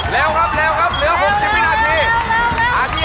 เร็วครับเร็วครับเหลือ๖๐วินาที